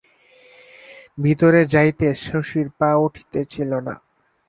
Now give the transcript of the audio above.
ভিতরে যাইতে শশীর পা উঠিতেছিল না।